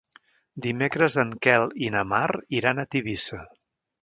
Dimecres en Quel i na Mar iran a Tivissa.